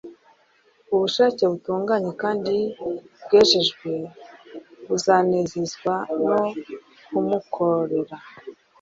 Ubushake butunganye kandi bwejejwe buzanezezwa no kumukorera.